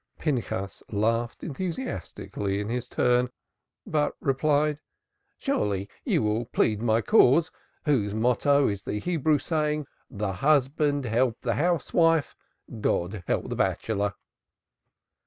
'" Pinchas laughed enthusiastically in his turn, but replied: "Surely you will plead my cause, you whose motto is the Hebrew saying 'the husband help the housewife, God help the bachelor.'"